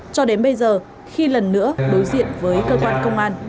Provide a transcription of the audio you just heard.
cho đến bây giờ khi lần nữa đối diện với cơ quan công an